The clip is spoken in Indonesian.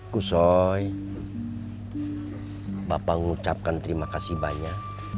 kusoi bapak mengucapkan terima kasih banyak